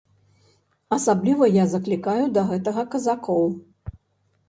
Асабліва я заклікаю да гэтага казакоў!